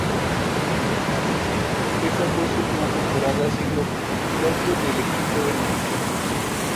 Esta fue su última temporada siendo piloto del equipo Renault.